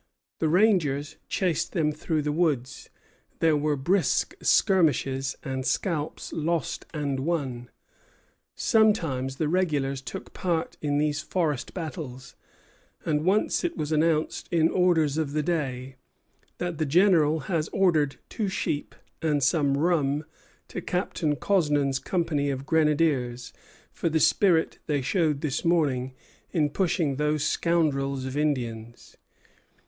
The rangers chased them through the woods; there were brisk skirmishes, and scalps lost and won. Sometimes the regulars took part in these forest battles; and once it was announced, in orders of the day, that "the General has ordered two sheep and some rum to Captain Cosnan's company of grenadiers for the spirit they showed this morning in pushing those scoundrels of Indians."